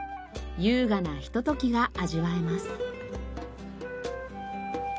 優雅なひとときが味わえます。